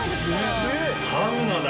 サウナだ。